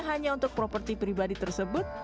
hanya untuk properti pribadi tersebut